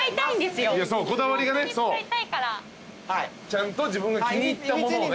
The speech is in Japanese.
ちゃんと自分が気に入ったものを。